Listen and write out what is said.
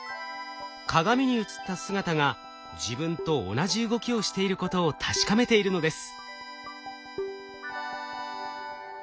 鏡に映った姿が自分と同じ動きをしていることを確かめているのです。